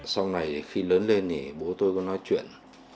sau này khi lớn lên thì bố tôi có nói chuyện